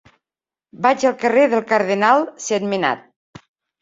Vaig al carrer del Cardenal Sentmenat.